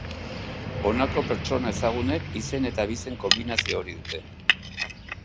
Honako pertsona ezagunek izen eta abizen konbinazio hori dute.